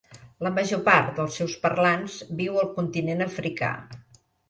La major part dels seus parlants viu al continent africà.